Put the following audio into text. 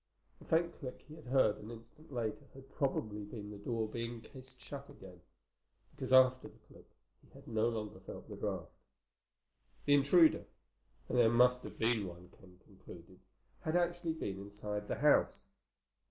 The faint click he had heard an instant later had probably been the door being cased shut again—because after the click he had no longer felt the draft. The intruder—and there must have been one, Ken concluded—had actually been inside the house.